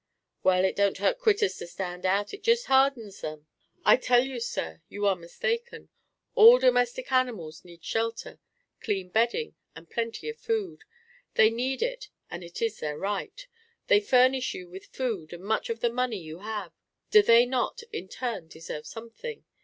"Well, it don't hurt critters to stand out; it jest hardens 'em." "I tell you, sir, you are mistaken. All domestic animals need shelter, clean bedding and plenty of food. They need it, and it is their right. They furnish you with food and much of the money you have; do they not, in turn, deserve something?